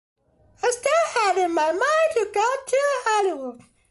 I still had it in my mind to go to Hollywood.